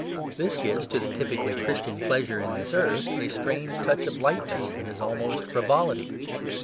This gives to the typically Christian pleasure in this earth a strange touch of lightness that is almost frivolity.